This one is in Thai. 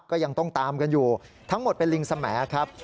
ก็ยังต้องตามกันอยู่ทั้งหมดเป็นลิงสมแอครับ